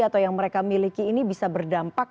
atau yang mereka miliki ini bisa berdampak